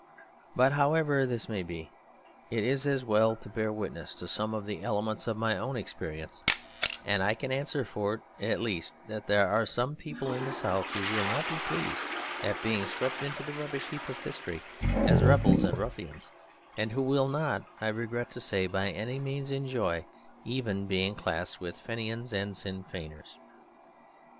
But however this may be, it is as well to bear witness to some of the elements of my own experience; and I can answer for it, at least, that there are some people in the South who will not be pleased at being swept into the rubbish heap of history as rebels and ruffians; and who will not, I regret to say, by any means enjoy even being classed with Fenians and Sinn Feiners.